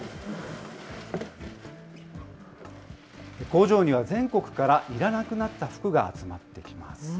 工場には全国からいらなくなった服が集まってきます。